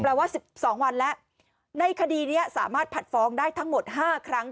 แปลว่าสิบสองวันแล้วในคดีเนี้ยสามารถผัดฟ้องได้ทั้งหมดห้าครั้ง